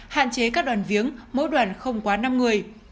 hạn chế các đoàn viếng mỗi đoàn không quá năm người